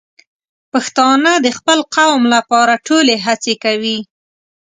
پښتانه د خپل قوم لپاره ټولې هڅې کوي.